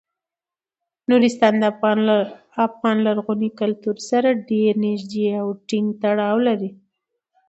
نورستان د افغان لرغوني کلتور سره ډیر نږدې او ټینګ تړاو لري.